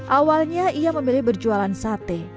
awalnya ia memilih berjualan sate